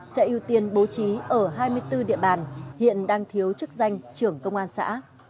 sẽ ưu tiên bố trí ở hai mươi bốn địa bàn hiện đang thiếu chức danh trưởng công an xã